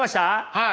はい。